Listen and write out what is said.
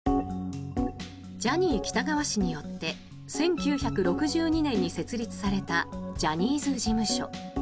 ジャニー喜多川氏によって１９６２年に設立されたジャニーズ事務所。